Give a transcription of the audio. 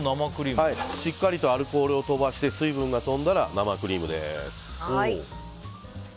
しっかりとアルコールを飛ばして水分が飛んだら生クリームです。